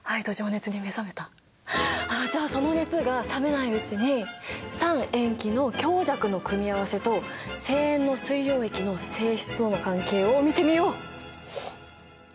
ああじゃあその熱が冷めないうちに酸・塩基の強弱の組み合わせと正塩の水溶液の性質との関係を見てみよう！